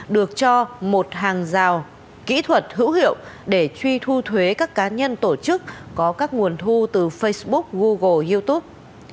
được cho một hàng rào kỹ thuật hữu hiệu để truy thu thuế các cá nhân tổ chức có các nguồn thu từ facebook google youtube